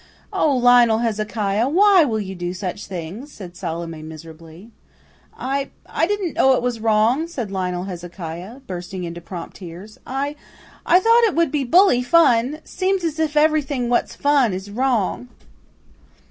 "O Lionel Hezekiah, why will you do such things?" said Salome miserably. "I didn't know it was wrong," said Lionel Hezekiah, bursting into prompt tears. "I I thought it would be bully fun. Seems's if everything what's fun 's wrong."